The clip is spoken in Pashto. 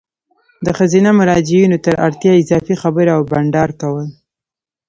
د ښځینه مراجعینو تر اړتیا اضافي خبري او بانډار کول